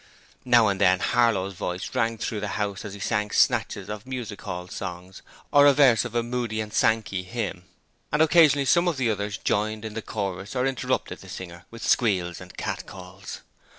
Now and then Harlow's voice rang through the house as he sang snatches of music hall songs or a verse of a Moody and Sankey hymn, and occasionally some of the others joined in the chorus or interrupted the singer with squeals and catcalls.